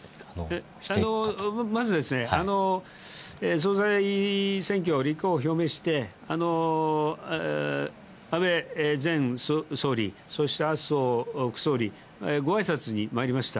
まずですね、総裁選挙の立候補を表明して、安倍前総理、そして麻生副総理、ごあいさつにまいりました。